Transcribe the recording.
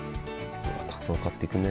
たくさん買っていくね。